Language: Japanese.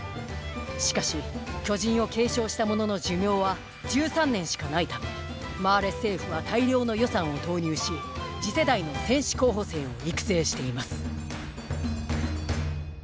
しかし巨人を継承した者の寿命は１３年しかないためマーレ政府は大量の予算を投入し次世代の戦士候補生を育成しています